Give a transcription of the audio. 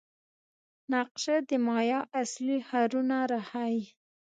نقشه د مایا اصلي ښارونه راښيي.